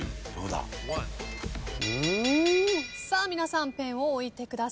さあ皆さんペンを置いてください。